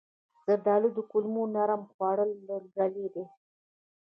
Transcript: زردالو د کولمو نرم خوړو له ډلې ده.